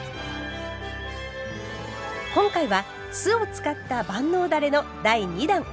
今回は酢を使った万能だれの第２弾。